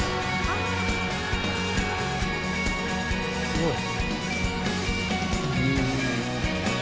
すごい！